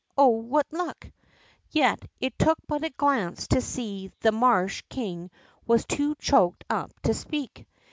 Oh, what luck !" Yet it took but a glance to see that the marsh king was too choked up to speak.